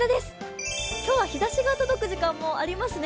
今日は日ざしが届く時間もありますね。